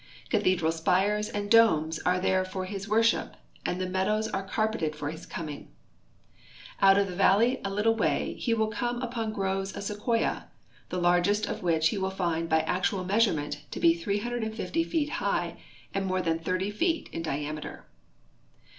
Cathedral s{)ires and domes are there for his worship and the meadows are carpeted for his coming. Out of the valley a little way he will come upon groves of sequoia, the largest of which he will find by actual measurement to be 350 feet high and more than 30 feet in diameter.